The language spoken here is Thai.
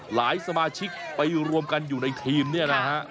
หลายสมาชิกไปรวมกันอยู่ในทีมนี่นะครับ